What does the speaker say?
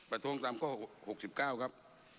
ประท้วงตามข้อ๖๙ครับ